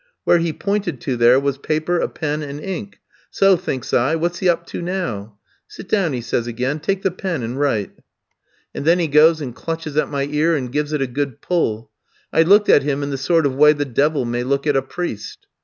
"Where he pointed to there was paper, a pen, and ink; so thinks I, 'What's he up to now?' "'Sit down,' he says again; 'take the pen and write.' "And then he goes and clutches at my ear and gives it a good pull. I looked at him in the sort of way the devil may look at a priest.